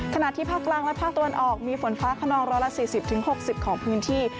ขณะที่ภาคกลางและภาคตะวันออกมีฝนฟ้าขนอง๑๔๐๖๐ของพื้นที่